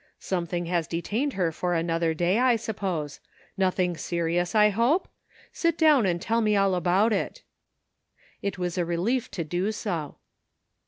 " Something has detained her for another day, I suppose ; nothing serious, I hope ? Sit down and tell me all about it." It was a relief to do so.